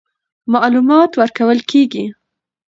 معلومات ورکول کېږي.